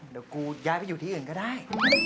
เดี๋ยวกูย้ายไปอยู่ที่อื่นก็ได้